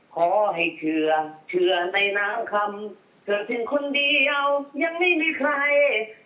ขอให้เธอเธอในนางคำเธอถึงคนเดียวยังไม่มีใคร